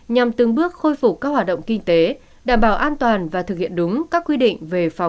nhằm từng bước khôi phục các hoạt động kinh tế đảm bảo an toàn và thực hiện đúng các quy định về phòng